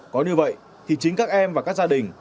có như vậy thì chính các em và các gia đình